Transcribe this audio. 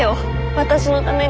私のために。